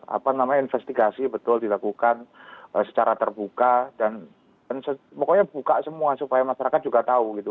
apa namanya investigasi betul dilakukan secara terbuka dan pokoknya buka semua supaya masyarakat juga tahu gitu